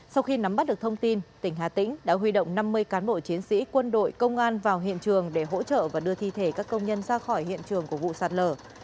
sau khi nắm bắt được thông tin tỉnh hà tĩnh đã huy động năm mươi cán bộ chiến sĩ quân đội công an vào hiện trường để hỗ trợ và đưa thi thể các công nhân ra khỏi hiện trường của vụ sạt lở